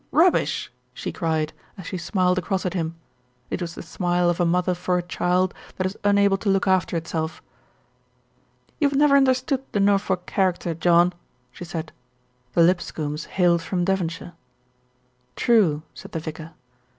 "Rubbish!" she cried, as she smiled across at him; it was the smile of a mother for a child that is unable to look after itself. "You have never understood the Norfolk character, John," she said. The Lipscombes hailed from Devon shire. "True," said the vicar.